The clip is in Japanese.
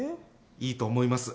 いいと思います。